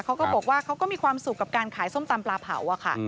เขาก็บอกว่าเขาก็มีความสุขกับการขายส้มตำปลาเผาอะค่ะ